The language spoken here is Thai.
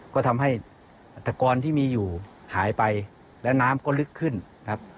ก็ทำให้อัตกรที่มีอยู่หายไปและน้ำก็ลึกขึ้นนะครับ